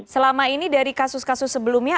selama ini dari kasus kasus sebelumnya